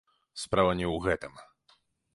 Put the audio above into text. Справа не ў гэтым.